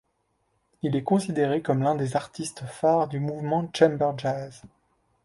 Il est considéré comme l'un des artistes phares du mouvement chamber jazz.